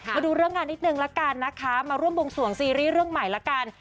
มาดูเรื่องงานนิดนึงละกันนะคะมาร่วมวงสวงซีรีส์เรื่องใหม่ละกัน